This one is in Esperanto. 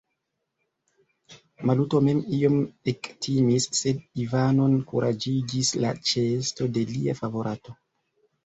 Maluto mem iom ektimis; sed Ivanon kuraĝigis la ĉeesto de lia favorato.